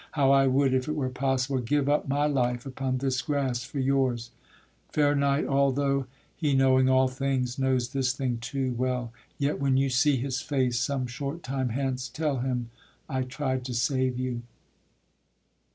how I would, If it were possible, give up my life Upon this grass for yours; fair knight, although, He knowing all things knows this thing too, well, Yet when you see his face some short time hence, Tell him I tried to save you.